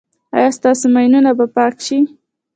ایا ستاسو ماینونه به پاک شي؟